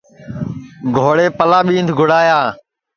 گھوڑیپلا ٻِیند گُڑایا